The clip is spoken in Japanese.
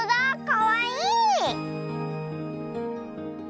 かわいい！